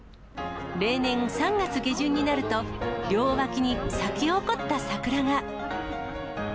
例年、３月下旬になると、両脇に咲き誇った桜が。